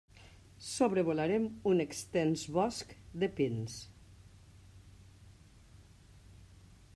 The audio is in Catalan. Sobrevolaren un extens bosc de pins.